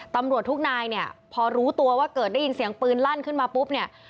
ตำรวจทุกนายเนี่ยพอรู้ตัวว่าเกิดได้ยินเสียงปืนลั่นขึ้นมาปุ๊บเนี่ย